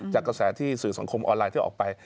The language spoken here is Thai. กระแสที่สื่อสังคมออนไลน์ที่ออกไป